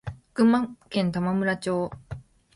群馬県玉村町